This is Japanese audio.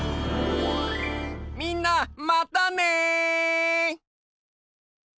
みんなまたね！